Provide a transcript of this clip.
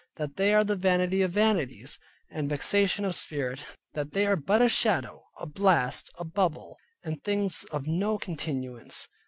That they are the vanity of vanities, and vexation of spirit, that they are but a shadow, a blast, a bubble, and things of no continuance.